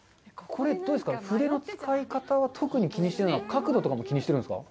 これ、どうですか筆の使い方は特に気にしてるのは角度とかも気にしてるんですか。